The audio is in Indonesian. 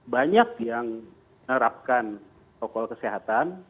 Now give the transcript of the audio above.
banyak yang menerapkan protokol kesehatan